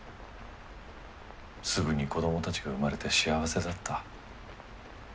すぐに子どもたちが生まれて幸せだった。